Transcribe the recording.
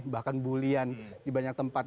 bahkan bulian di banyak tempat